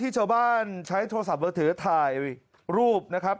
ชาวบ้านใช้โทรศัพท์มือถือถ่ายรูปนะครับ